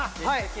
はい。